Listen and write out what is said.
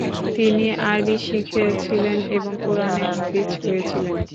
তিনি আরবি শিখেছিলেন এবং কুরআনে হাফিজ হয়েছিলেন।